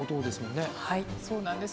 はいそうなんです。